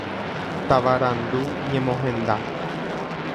Tavarandu ñemohenda.